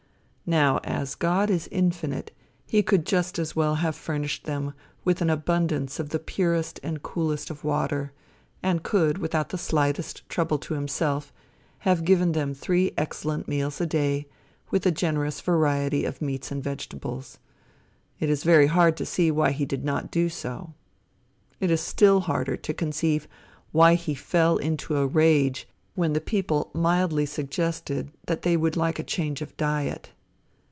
Now, as God is infinite, he could just as well have furnished them with an abundance of the purest and coolest of water, and could, without the slightest trouble to himself, have given them three excellent meals a day, with a generous variety of meats and vegetables, it is very hard to see why he did not do so. It is still harder to conceive why he fell into a rage when the people mildly suggested that they would like a change of diet.